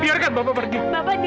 biarin bapak pergi